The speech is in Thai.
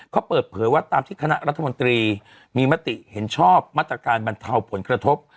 เขาเปิดเผยว่าตามที่คณะรัฐมนตรีมีมติเห็นชอบมาตรการบรรเทาผลกระทบ